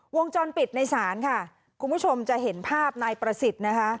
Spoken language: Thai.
วงจรปิดในศาลค่ะคุณผู้ชมจะเห็นภาพนายประสิทธิ์นะคะ